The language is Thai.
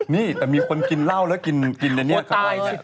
นี่มีคนกินล้าวกินแดงเงียตายส่วนมาก